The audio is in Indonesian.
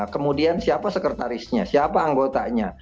kemudian siapa sekretarisnya siapa anggotanya